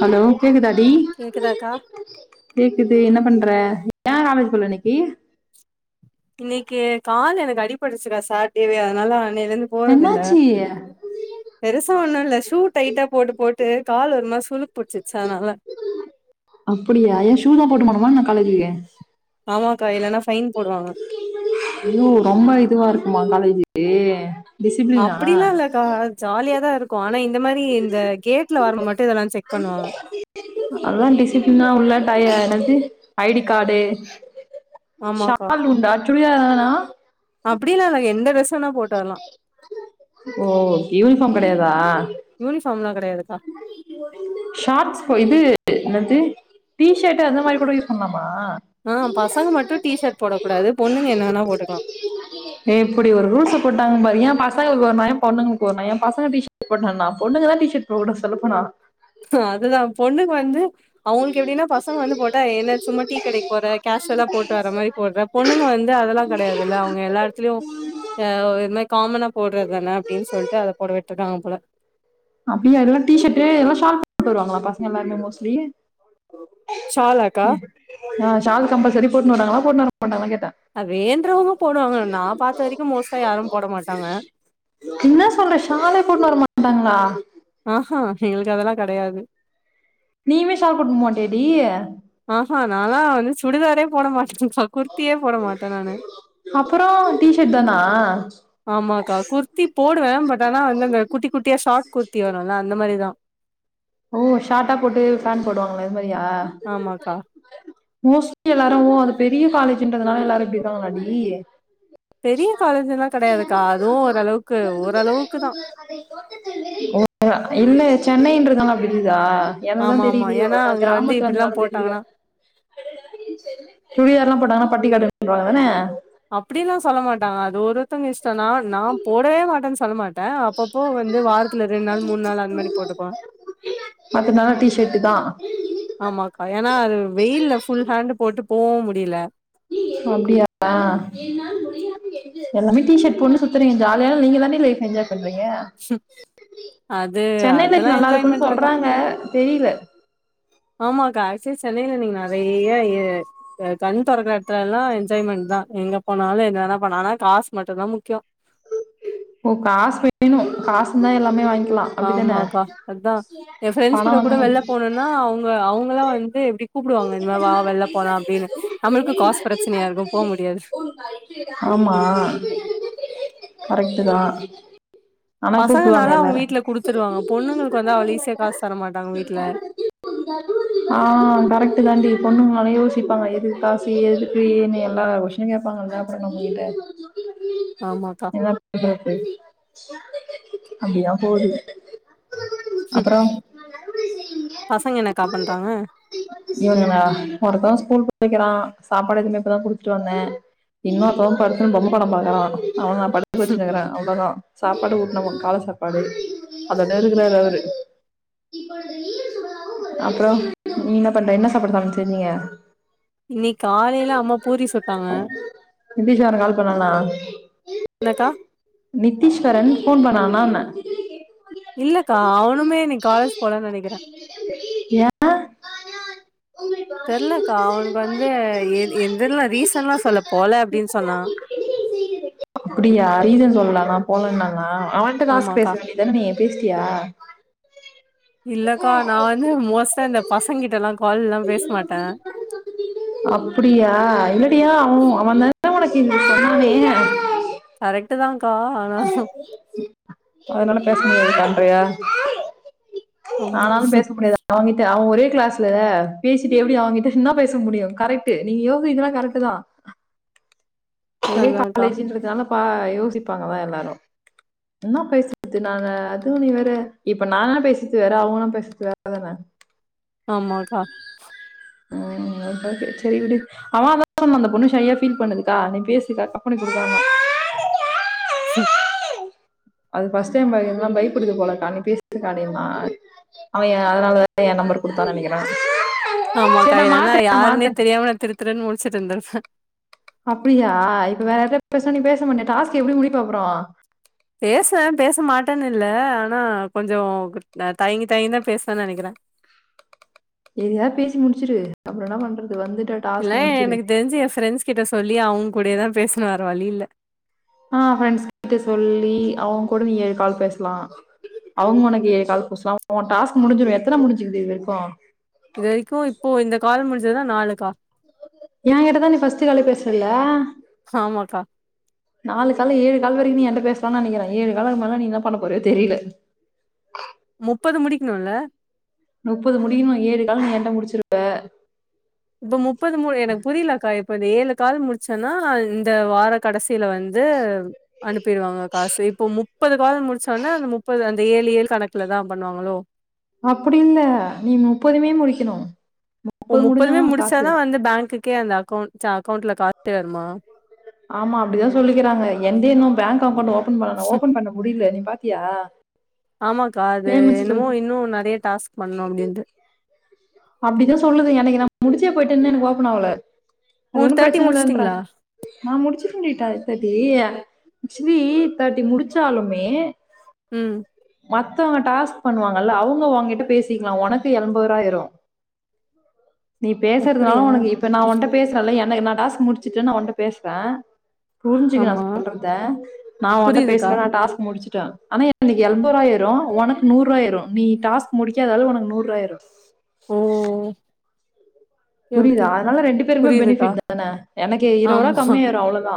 Hello கேக்குதா டி கேக்குதாக்கா கேக்குது என்ன பண்ற ஏ [unintelligible] இன்னிக்கி இன்னைக்கு கால் எனக்கு அடிபட்டு டிச்சிடா சாட்டேவே அதனால அன்னைலருந்து போறதில்ல என்னாச்சு பெருசா ஒன்னோ இல்ல ஷூ டைட்டா போட்டு போட்டு து கால் ஒரு மாரி சுலுக்கு போட்ச்சி அப்படியா ஏ ஷூ தா போட்டு போவணுமா நா காலேஜுக்கு ஆமாக்கா இல்லன்னா ஃபைன் போடுவாங்க ஐயோ ரொம்ப இதுவா இருக்குமா காலேஜ் ஏ அப்டிலா இல்லக்கா ஜாலியாதா இருக் கோ ஆனா ன் இந்த மாரி இந்த கேட்ல வரம்போ மட்டு இதெல்லா செக் பண்ணுவாங்க அதா டிசிப்ளினா உள்ள டை ஆ என்னாது ஐ டி கார்டு ஆமாக்கா ஷால் உண்டா சுடிதார் தானா அப்டிலா இல்ல எந்த [unintelligible] ஓ யூனிபார்ம் கடையாதா யூனிஃபார்ம்லா கெடையாதுக்கா சாட்ஸ் இது என்னது டீ ஷர்ட் அந்த மாரி கூட யூஸ் பண்ணலாமா ஆ பசங்க மட்டு டீஷர்ட் போடக் கூடாது பொண்ணுங்க என்ன வேனா போட்டுக்கலா எப்டி ஒரு ரூல்ஸ்ஸ போட்டாங்க பாரு ஏ பசங்களுக்கு ஒருணாய ஏ பொண்ணுங்களுக்கு ஒருணாயோ ஏ பசங்க டீஷர்ட் போட்டண்ணா பொண்ணுங்க தா டீ ஷர்ட் போட கூடாது சொல்லப்போனா அதுதா பொண்ணுங்க வந்து அவங்களுக்கு எப்டின்னா பசங்க வந்து போட்டா என்ன சும்மா டீ கிடைக்கு போற கேஷுவலா போட்டு வர மாரி போடுற பொண்ணுங்க வந்து அதெல்லா கடையாதுல்ல அவங்க எல்லாட்த்துலயு அ இது மாரி காமனா போடுறதுதானே அப்டின்னு சொல்லிட்டு அத போட விட்டுருக்காங்க போல அப்டியா எல்லா டீ ஷர்ட் எல்லா ஷாட்ஸ் போட்வருவாங்களா பசங்க எல்லாருமே மோஸ்ட்லி சாலாக்கா ஆ ஷால் கம்பல்சரி போட்டு வராங்களா போட்டுவரமாட்டாகளா கே அ வேன்றவங்க போடுவாங்க நா பாத்த வரைக்கு மோஸ்ட்டா யாரு போட மாட்டாங்க டாங்களா ஆஹா எங்களுக்கு அதெல்லா கெடையாது நீயுமே சால் போட்டுனு போமாட்டியா டி ஆஹா நா வந்துச் சுடிதாரே போட மாட்டே [unintelligible] குர்த்தியே போட மாட்டே நானு அப்புறோ டிஷர்ட் தானா ஆமாக்கா குர்த்தி போடுவே பட் ஆனா வந்து அந்த குட்டி குட்டியா ஷார்ட் குர்த்தி அது இந்த மாரிதா ஓ ஷார்டா போட்டு பேண்ட் போவாங்களே அமறியா ஆமாக்கா மோஸ்ட்லி எல்லாரு அது பெரிய காலேஜ்ன்றதுனால எல்லாரு இப்டி இருக்காங்களாடி பெரிய காலேஜ் எல்லா கெடையாதுக்கா அதுவு ஓரளவுக்கு ஓரளவுக்கு தா ஓ இல்ல இது சென்னை றதுனால இருக்குதா என்னதா ஆமா ஆமா தெரியலயோ ஏன்னா நா அங்க வந்து கிராமத்துல இப்டிலா இருந்தநால தெரியலையோ போட்டாங்கன்னா சுடிதாரல்லா போட்டாங்கனா பட்டிக்காடு லோதான அப்பிடிலா சொல்ல மாட்டாங்க அது ஒருத்தங்க இஷ் ஸ் நா நா போடவே மாட்டேன் சொல்ல மாட்டே அப்பப்போ வந்து வாரத்துல ரெண் நாள் மூணு நாள் அந்த மாரி போட்டுப்போ இல் ஆமாக்கா ஏன்னா அது வெயில்ல ஃபுல் ஹேண்ட் போட்டு போவு முடியல அப்பிடியா எல்லாமே டீ ஷர்ட் போட்டு சுத்துறீங்க ஜாலியா நீங்கதான்டி லைப் என்ஜாய் பண்றீங்க ம் அது சென்னை அதெல்லா லைஃப் நல்லா என்ஜாய் இருக்கும்னு மெண்ட்ல்லக்கா சொல்றாங்க தெரியல ஆமாக்கா ஆக்ச சென்னையில நீங்க நெறைய ஏ பே கண் தொறக்கிற எடத்து எல்லா என்ஜாய்மெண்ட்தா எங்க போனாலு என்ன வேண பண் காசு மட்டுதா முக்கியோ ஓ காஸ் வேணு காஸ் இருந்தா எல்லாமே வாங் ஆமாக்கா அத்தா ஏ ஃப்ரெண்ட்ஸ் பணோ கூட கூட வந்து வெள்ள போனும்னா அவுங்க அவுங்கல்லா வந்து எப்பிடி கூப்புடுவாங்க இந்த மா வா வெள்ள போலா அப்பிடின்னு நம்மளுக்கு காசு பிரச்சனையா இருக்கு போ முடியாது வரக் இதா பசங்கனாலா அவுங்க வீட்ல குடுத்துருவாங்க பொண்ணுங்களுக்கு வந்து அவள ஈசியா காசு தர மாட்டாங்க வீட்ல ஆனா யோசிப்பாங்க எதுக்கு காசு எதுக்கு ஏனு எல்லா கொஸ்ன் கேட்பாங்க [unintelligible] உட்ட ஆமாக்கா [unintelligible] அப்பிடியா ஹோடி ம். அப்புறோ பசங்க என்னக்கா பண்றாங்க இவுங்க ஒருத்த ஸ்கூல் போய்க்கிறா சாப்பாடு எதுமே இப்பதா குடுத்துட்டு வந்தே இன்னு ஒருத்தவ படுத்துன்னு பொம்ம படோ பாக்குறா அவன வச்சினுக்குறே அவ்ளோதா சாப்பாடு ஊட்டனவ கால சாப்பாடு அத நெருகுலரு அவுரு அப்புறோ நீ இன்னா பண்ற இன்னா சாப்பாடு சாப்பாட செஞ்சிங்க இன்னிக் காலையில அம்மா பூரி சுட்டாங்க நிதிஷ்வரன் கால் என்னக்கா நித்தீஸ்வரன் ஃபோன் பண்ணான்னே இல்லக்கா அவனுமே இன்னைக் காலேஜ் போலன்னு நெனைக்கிற ஏன் தெர்லக்கா அவனுக்கு வந்து எ எந்தெல்லா ரீசன்ல்லா சொல்ல போல அப்பிடின் சொன்னா ஆ போலன்னாங்க அவன்ட கால்ஸ பேச ஆமாக்கா வேண்டிதான நீ பேசிடியா இல்லக்கா நா வந்து மோஸ்ட்டா இந்த பசங்கிட்டல்லா கால் அப்பிடியா என்னடியா அவன் அவன் தா உனக்குங்க சொன்னாவே ஏ கரெக்ட்டு தான்க்கா. ஆனா அதனால பேச முடியாதுகா அயா ஆமா. ஆனாலு பேச முடியாது அவங்கிட்ட அவ ஒரே கிளாஸ்ல பேசிட்டு எப்டி அவங்கிட்ட என்னா பேச முடியு கரெக்ட்டு நீ யோசிக்கிறதலா கரெக்ட்டுதா ஒரே அதான்க்கா. காலேஜுன்றதுனால பா யோசி ப்பாங்கதா எல்லாரும் என்னா பேசுறது நானு அதுவு நீ வேற இப்ப நான்லா பேசறது வேற அவங்கல்லா பேசுறது வேறதான ஆமாக்கா ம் ஓகே ஓகே சேரி விடு அவ அதா சொன்னா அந்த பொண்ணு ஷையா ஃபீல் பண்ணுதுக்கா நீ பேசுக்கா கம்பனி குடுக்கான்னா சூ அது ஃபஸ்ட் டைம் பேசறதுனால பயப்படுது போலக்கா நீ பேசுக்கா அப்டின்னா அவ ஏன் அதனாலதா ஏன் நம்பர் குடுத்தான்னு நெனைக்கிறே சரி ஆமாக்கா நா ஏன்னா மாத்துறே நா யாருன்னே மாத்துறே தெரியாம நா திருதிருன்னு முழிச்சிட்ருந்தே சத் அப்பிடியா இப்ப வேற யார்ட்டயாது பேசணுனா நீ பேச மாட்டியா டாஸ்க் எப்டி முடிப்ப அப்றோ பேசுவே பேச மாட்டேன்னு இல்ல ஆனா கொஞ்சோ ஆ தயங்கி தயங்கிதா பேசுவன்னு நெனைக்கிறே எதையாது பேசி முடிச்சுரு அப்பறோ என்னா பண்றது வந்துட்டு இல்ல டாஸ்க் முடிச்சிரு எனக்கு தெரிஞ்சு ஏன் ஃப்ரெண்ட்ஸ் கிட்ட சொல்லி அவங்க கூடயேதா பேசணு வேற வழி இல்ல ஆ ஃப்ரண்ட்ஸ் கிட்ட சொல்லி அவங்க கூட நீ ஏழு கால் பேசலா. அவங்க உனக்கு ஏழு கால் பேசலா. உன் டாஸ்க் முடிஞ்சிரு எத்தன முடிஞ்சுக்குது இது வரைக்கு இதுவரைக்கு இப்போ இந்த கால் முடிஞ்சதுனா நாலுக்கா ஏன்கிட்டதா நீ ஃபஸ்ட் காலே பேசுனல்ல ஆமாக்கா. நாலு கால்ல ஏழு கால் வரையு நீ என்ட்ட பேச லானு நெனக்கிறே ஏழு காலுக்கு மேல நீ என்னா பண்ண போறயோ தெரில முப்பது முடிக்கணு இல்ல நுப்பது முடிக்கணு ஏழு கால் நீ என்ட்ட முடிச்சிருவ இப்ப முப்பது மு எனக்கு புரியலக்கா இ ப்ப இந்த ஏழு கால் முடிச்சன்னா இந்த வார கடைசில வந்து அனுப்பிருவாங்க காசு இப்போ முப்பது காலு முடிச்சன்னா அந்த முப்பது அந்த ஏழு ஏழு கணக்குலதா பண்ணுவாங்களோ அப்படி இல்ல. நீ முடிக்கணும். ஓ முடிஞ்சா முப்பதுமே தான் உனக்கு காசு. முடிச்சாதா வந்து பேங்குக் கே அந்த அக்கௌண்ட் ச அக்கௌண்ட்ல காசு ஏறுமா ஆமா அப்டிதா சொல்லிக்கிறாங்க என்தே இன்னு பேங்க் அக்கௌண்டு ஓப் பன் பண்ணணு ஓபன் பண்ண முடியல நீ பா த்தியா ஆமாக்கா அது என்னமோ இன்னு நெறய டாஸ்க் பண்ணணு அப்டின்ட்டு அப்டிதா சொல்லுது எனக்கு நா முடிச்சே போயிட்டே இன்னு எனக்கு ஓப்பன் ஆவல அது உங்களுக்கு ஒன்னும தேர்ட்டி பிரச்சன இல்லன்ற முடிச்சுட்டீங்களா நா முடிச்சுட்டண்டி த தர்ட்டி ஆக்சுலி தர்ட்டி முடிச்சாலுமே ம் மத்தவங்க டாஸ்க் பண்ணுவாங்கல்ல அவங்க ஒங்கிட்ட பேசிக்கலா ஒனக்கு எம்பது ரூபா ஆயிரு [inaudible] நீ பேசுறதுனால அப்படியா உனக்கு இப்ப நான் ஒண்ட்ட பேசுறல்ல எ ன்ன என்னோட டாஸ்க் முடிச்சுட்டு நா உன்ட்ட பேசறே புரிஞ்சுக்க நா ஆமா சொல்றத நா உன்ட்ட புரியுதுக்கா பேசறே நா டாஸ்க் முடிச்சு ச்சா ஆனா எனக்கு எம்பது ஆயிரு ஒனக்கு நூறுருவா ஆயிரு நீ டாஸ்க் முடிக்காதால உனக்கு நூறுருவா ஆயிரு ஓ ஓகே புரியுதா ஓகே அதனால ரெண்டு பேருக்குமே புரியுதுக்கா பெனிஃபிட்தான எனக்கு இருவது ரூவா ஆமா கம்மியாயிரு அவ்ளவுதா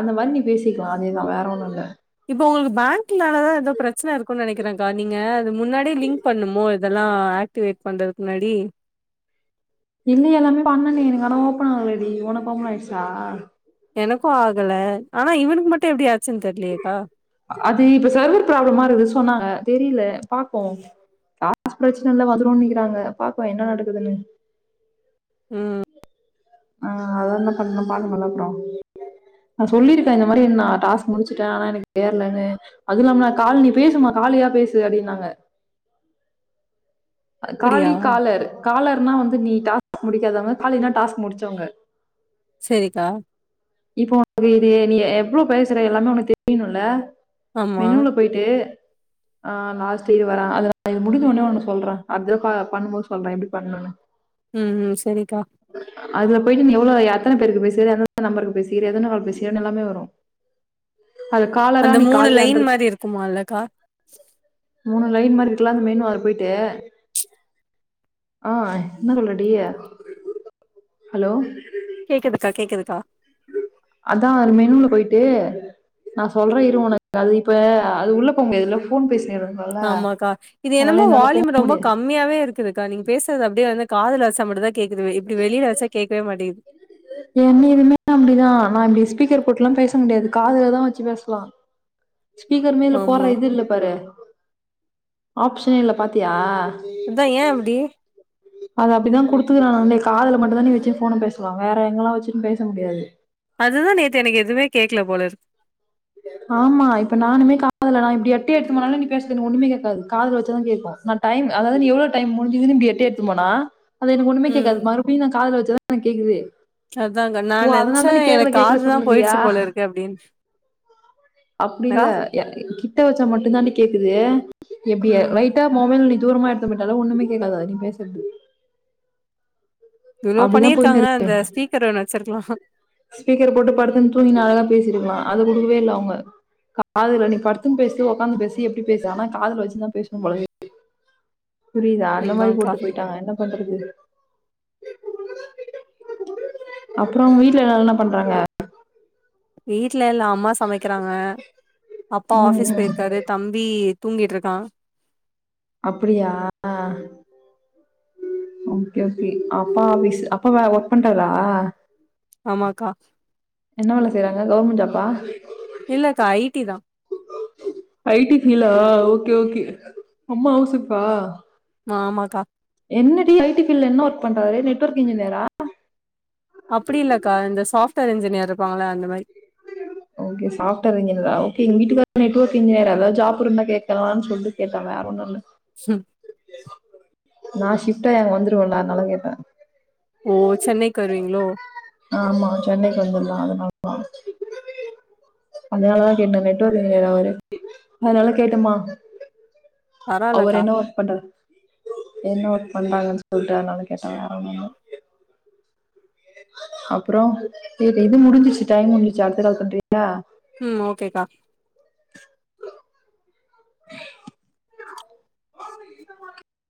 அந்த மாரி நீ பேசிக்கலா அதேதா வேற ஒண்ணு இல்ல இப்ப உங்களுக்கு பேங்க்னாலதா எதோ பிரச்சன இருக்குன்னு நெனக் கிறங்க்கா நீங்க அது முன்னாடியே லிங்க் பண்ணுமோ இதல்லா ஆக்டிவேட் பண்றதுக்கு முன்னாடி இல்லயே எல்லாமே பண்ணணே எனக்கு ஆனா ஓப்பன் ஆவலடி உனக்கு ஓப்பன் ஆயிடுச்சா எனக்கு ஆகல ஆனா இவனுக்கு மட்டு எப்டி ஆ அது இப்ப சர்வர் ப்ராப்ளமா இருக்குது சொன்னாங்க தெரியல பாப்போ காசு பிரச்சன இல்ல வந்துடுன்னு நெனக்கிறாங்க பாப்போ என்ன நடக்குதுன்னு ம் ஆ அதா என்ன பண்லா பாக்கணுல்ல அப்றோ நா சொல்லிருக்கே இந்த மாரி நா டாஸ்க் முடிச்சுட்டே ஆனா எனக்கு ஏறலனு அது இல்லாமா கால் நீ பேசுமா காலியா பேசு அப்டின்னாங்கா அ அப்டியா காலி காலர் காலர்னா வந்து நீ டா ஸ்க் முடிக்காதவங்க காலின்னா டாஸ்க் முடிச்சவங்க செரிக்கா இப்போ இது இது நீ எவ்ளோ பேசற எல்லாமே உனக்கு தெரியணுல்ல ஆமா மெனுல போயிட்டு ஆ லாஸ்ட் இரு வரே அது நா இது முடிஞ்ச உடனே உனக்கு சொல்றே அடுத்தடவ கா பண்ணும்போது சொல்றே எப்டி பண்ணணுன்னு ம் ம் செரிக்கா அதுல போயிட்டு நீ எவ்ளோ ஆ எத்தன பேருக்கு பேசிருக்க எந்த எந்த நம்பருக்கு பேசிக்கிற எத்தன கால் பேசிருக்கறேன்னு எல்லாமே வரு அந்த மூணு லைன் மாரி இருக்குமா இல்லக்கா மூணு லைன் மார இருக்கல்ல அந்த மெனு உள்ளாற போயிட்டு ஆ என்ன சொல்றடி ஹலோ த்தா அதா மெனுல போயிட்டு நா சொல்றே இரு உனக்கு அது இப்ப அது உள்ள போமுடியாது இல்ல ஃபோன் பேசினுருக்குறோ ஆமாக்கா இது என்னமோ வால்யூம் ரொம்ப முடியாது கம்மியாவே இருக்குதுக்கா நீங்க பேசுறது அப்பிடியே வந் காதல வச மட்டுதா கே என்னைலுமே அப்பிடிதா நா இப்பிடி ஸ்பீக்கர் போட்டலா பேச முடியாது காதுலதா வச்சி பேசலா ஸ்பீக்கர் மேல போற ஆமா இது இல்ல பாரு ஆப்ஷனே இல்ல பாத்தியா த்தா ஏ அப்பிடி அது அப்பிடிதா குடுத்துக்கலானாடே காதல மட்டுதா நீ வச்சி போன பேசலா வேற எங்கல்லா வச்சுன்னு பேச முடியாது அதுதா நேத்து எனக்கு எதுவுமே கேக்கல போல இருக்கு ஆமா இப்ப நானுமே காதல நா எப்பிடி எட்டே எடுத்து போனாலு நீ பேசுதுக்கு ஒண்ணுகேக்காது காதல வச்சதா கேட்கு நா டைம் அதாவது நீ எவ்ளோ டைம் முடிஞ்சிதுனு இப்பிடி எட்டே எடுத்து போனா அது எனக்கு ஒன்னுமே கேக்காது மறுபிடியு காதல வச்சதா ஆ கேக்குது அதாக நானு ஓ அதனால நெனச்சே தானே கேக்கல எனக்கு கேக்கல காதுதா போயிச்சி போல இருக்கே அப்பிடின் அப்பிடி இல்ல கிட்ட வச்சா மட்டுதான்டி கேக்குது எப்பிடியா ம் லைட்டா மொபைல் நீ தூரமா எடுத்துமாட்டாலு ஒண்ணுமே கேட்காதா நீ பேசுறது இவ்ளோ அப்டிதா போயினு பண்ணியிருக்காங்க இருக்கு அந்த ஸ்பிக்கர் ஒன்னு வச்சிருக்கலா ஸ்பீக்கர் போட்டு படுத்துன்னு தூங்கினு அழகா பேசிருக்கலா அத குடுக்கவே இல்ல அவுங்க காதல நீ படுத்துன்னு பேசு உக்காந்து பேசு எப்பிடி பேசு ஆனா காதல வச்சிதா பேசணு போல புரியுதா அந்த மாரி அதான்க்கா போட்டு போயிட்டாங்க என்ன பண்றது அப்புறோ வி [unintelligible] என்ன பண்றாங்க வீட் ட்ல இல்ல அம்மா சமைக்கிறாங்க அப்பா ம் ஆபிஸ் ம் போயிருக்காரு தம்பி தூங்கிட்டு இருக்கா அப்பிடியா ம் ஓகே ஓகே அப்பா ஆபிஸ் அப்பா வே ஒர்க் பண்றாரா ஆமாக்கா என்ன வேல செய்யறாங்க கவுர்மெண்ட் ஜாப்பா இல்லக்கா ஐட்டிதா ஐட்டி ஃபீல் ஆ ஓகே ஓகே அம்மா ஹவுஸ் ஒயிஃப்பா ஆமாக்கா என்னடி ஐட்டி ஃபீல்டல என்ன ஒர்க் பண்றாரு நெட்டோர்க் இன்ஜினியரா அப்பிடி இல்லக்கா இந்த சாஃப்ட்வேர் இன்ஜினியர் இருப்பாங்களா அந்த மாரி ஓகே சாஃப்ட்வேர் இன்ஜினியரா ஓகே எங்க வீட்டுக்கார் நெட்டோர்க் இன்ஜினியர் ஏதாது ஜாப் இருந்தா கேகலானு சொல்லிட்டு கேட்டே வேற ஒன்னு இல்ல சம் நா ஷிப்டாயி அங்க வந்துருவேல்ல அதனால்ல கேட்டே ஓ சென்னைக்கு வருவீங்களோ ஆமா சென்னைக்கு வந்துரலா அதனா ஆ அதனாலதா கேட்டே நெட்வொர்க் இன்ஜினியர் அவரு அதனால கேட்டம்மா அவரு பரவால்லக்கா என்ன ஒர்க் பண்றார் என்ன ஒர்க் பண்றாங்கன்னு சொல்ட்டு அதனாலதா கேட்டே வெற ஒன்னு இல்ல அப்புறோ இது இது முடிஞ்சிருச்சு டைம் முடிஞ்சிச்சு அடுத்த கால் பண்றியா ம் ஓகேக்கா [inaudible]